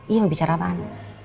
iya mau bicara apaan